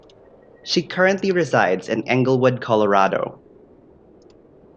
She currently resides in Englewood, Colorado.